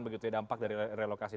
begitu ya dampak dari relokasi